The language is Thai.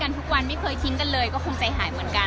ทุกวันไม่เคยทิ้งกันเลยก็คงใจหายเหมือนกัน